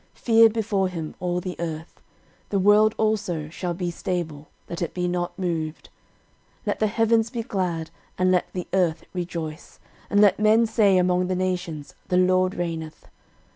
13:016:030 Fear before him, all the earth: the world also shall be stable, that it be not moved. 13:016:031 Let the heavens be glad, and let the earth rejoice: and let men say among the nations, The LORD reigneth.